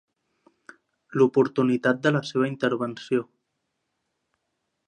L'oportunitat de la seva intervenció.